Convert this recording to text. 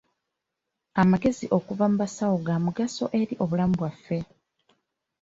Amagezi okuva mu basawo ga mugaso eri obulamu bwaffe.